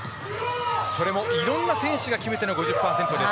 それもいろんな選手が決めての５０％です。